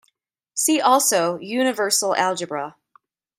See also Universal algebra.